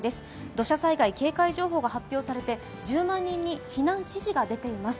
土砂災害警戒情報が発表されて、１０万人に避難指示が出ています。